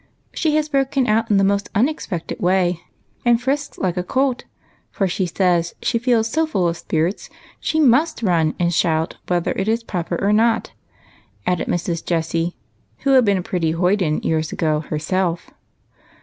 She has broken out in the most unexpected way, and frisks like a colt ; for she says she feels so full of spirits she must run and shout whether it is proper or not," added Mrs. Jessie, who had been a pretty hoyden years ago herself.